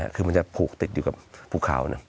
คือมันจะผูกติดอยู่กับภูเขานะ